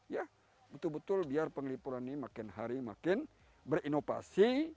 ya betul betul biar penglipuran ini makin hari makin berinovasi